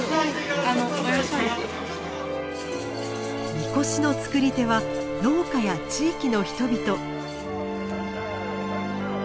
神輿の作り手は農家や地域の人々。